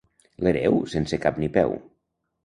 L'hereu, sense cap ni peu.